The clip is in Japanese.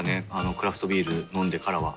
クラフトビール飲んでからは。